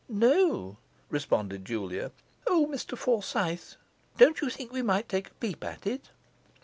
'No,' responded Julia. 'O, Mr Forsyth, don't you think we might take a peep at it?